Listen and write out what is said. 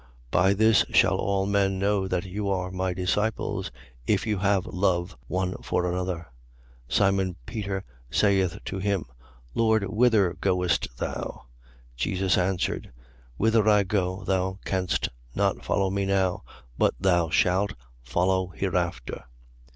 13:35. By this shall all men know that you are my disciples, if you have love one for another. 13:36. Simon Peter saith to him: Lord, whither goest thou? Jesus answered: Whither I go, thou canst not follow me now: but thou shalt follow hereafter.